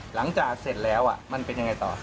หลังจากเสร็จแล้วมันเป็นยังไงต่อ